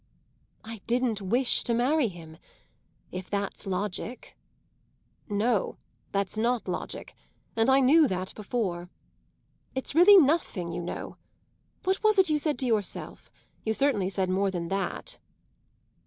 "I didn't wish to marry him if that's logic." "No, that's not logic and I knew that before. It's really nothing, you know. What was it you said to yourself? You certainly said more than that."